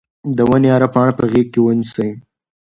د ونې هره پاڼه په غېږ کې ونیسئ.